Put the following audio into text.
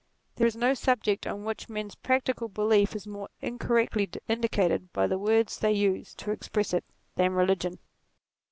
There is no subject on which men's practical belief is more incorrectly indicated by the words they use to express it, than religion.